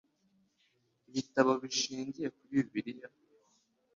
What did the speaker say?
ibitabo bishingiye kuri Bibiliya.